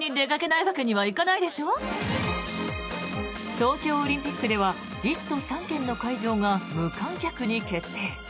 東京オリンピックでは１都３県の会場が無観客に決定。